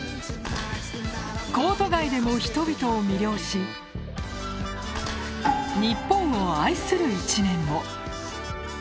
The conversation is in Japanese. コート外でも人々を魅了し日本を愛する一面も。